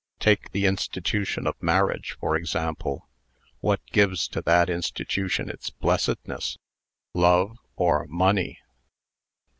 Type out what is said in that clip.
Take the institution of marriage, for example. What gives to that institution its blessedness love, or money?"